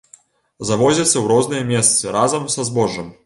Завозіцца ў розныя месцы разам са збожжам.